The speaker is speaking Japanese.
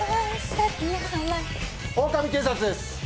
オオカミ警察です